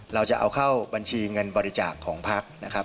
เราจะเอาเข้าบัญชีเงินบริจาคของพักนะครับ